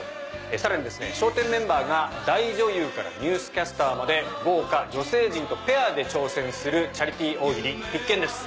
さらに笑点メンバーが大女優からニュースキャスターまで豪華女性陣とペアで挑戦するチャリティー大喜利必見です。